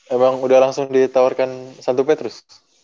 emang udah langsung ditawarkan santo petrus